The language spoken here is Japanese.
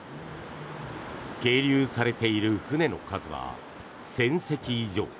係留されている船の数は１０００隻以上。